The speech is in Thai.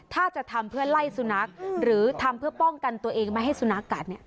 ถ้าจะทำเพื่อไล่สุนัขหรือทำเพื่อป้องกันตัวเองไม่ให้สุนัขกัดเนี่ย